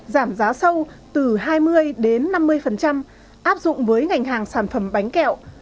giảm giá sâu từ hai mươi đến năm mươi áp dụng với ngành hàng sản phẩm bánh kẹo